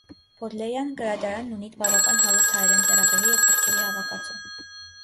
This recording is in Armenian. Բոդլեյան գրադարանն ունի բավական հարուստ հայերեն ձեռագրերի և գրքերի հավաքածու։